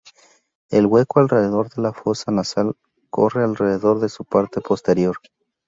El hueco alrededor de la fosa nasal corre alrededor de su parte posterior.